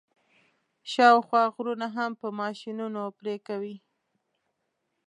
شاوخوا غرونه هم په ماشینونو پرې کوي.